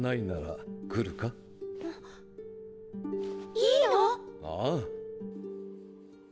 いいの⁉ああ。